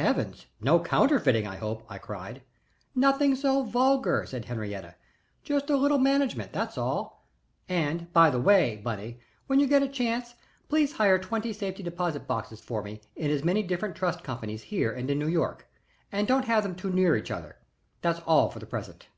"Heavens no counterfeiting, I hope?" I cried. "Nothing so vulgar," said Henriette. "Just a little management that's all. And, by the way, Bunny, when you get a chance, please hire twenty safe deposit boxes for me in as many different trust companies here and in New York and don't have 'em too near together. That's all for the present."